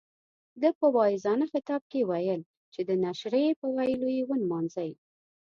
ده په واعظانه خطاب کې ویل چې د نشرې په ويلو یې ونمانځئ.